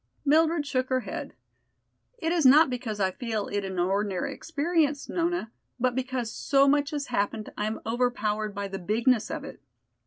Mildred shook her head. "It is not because I feel it an ordinary experience, Nona, but because so much has happened I am overpowered by the bigness of it.